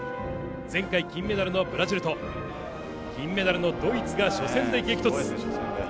前回金メダルのブラジルと銀メダルのドイツが初戦で激突。